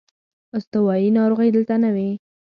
استوايي ناروغۍ دلته نه وې.